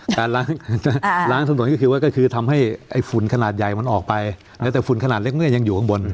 การล้างถนนก็คือทำให้ฝุ่นขนาดใหญ่มันออกไปแต่ฝุ่นขนาดเล็กมันยังอยู่ข้างบน